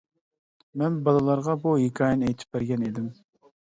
مەن بالىلارغا بۇ ھېكايىنى ئېيتىپ بەرگەن ئىدىم.